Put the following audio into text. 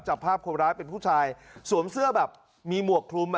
จับภาพคนร้ายเป็นผู้ชายสวมเสื้อแบบมีหมวกคลุม